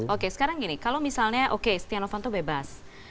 oke sekarang gini kalau misalnya oke sutyanovanto bebas